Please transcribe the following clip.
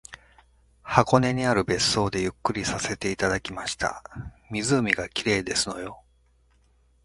箱根にある別荘でゆっくりさせていただきました。湖が綺麗ですのよ